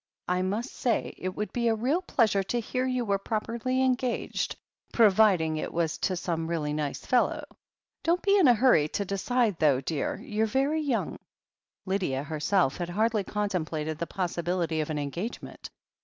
"I must say it would be a real pleasure to hear you were properly engaged, providing it was to some really nice fellow. Don't be in a hurry to decide though, dear — ^you're very young." Lydia herself had hardly contemplated the possibility of an engagement.